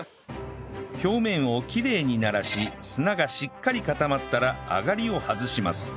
表面をきれいにならし砂がしっかり固まったらあがりを外します